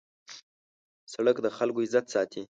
سړک د خلکو عزت ساتي.